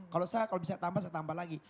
kalau sah kalau bisa tambah saya tambah lagi